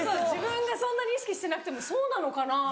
自分がそんなに意識してなくてもそうなのかな？